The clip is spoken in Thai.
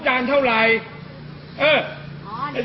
สวัสดีสวัสดี